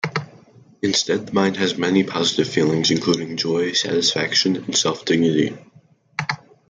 Instead the mind has many positive feelings including joy, satisfaction and self-dignity.